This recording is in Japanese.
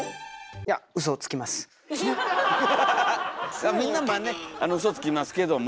いやみんなまあねウソつきますけども。